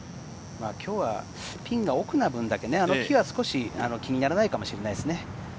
きょうはピンが奥な分だけ、木が少し気にならないかもしれないですね。